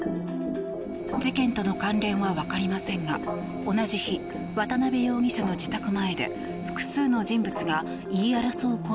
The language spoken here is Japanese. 事件との関連はわかりませんが同じ日渡邊容疑者の自宅前で複数の人物が言い争う